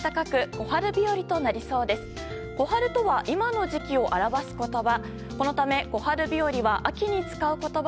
小春とは今の時期を表す言葉。